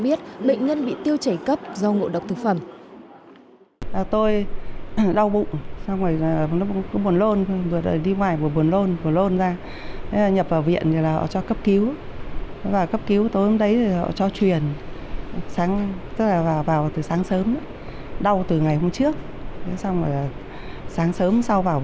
biết bệnh nhân bị tiêu chảy cấp do ngộ độc thực phẩm